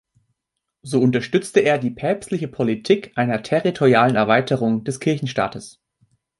So unterstützte er die päpstliche Politik einer territorialen Erweiterung des Kirchenstaates.